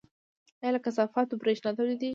آیا له کثافاتو بریښنا تولیدیږي؟